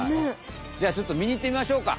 じゃあちょっとみにいってみましょうか。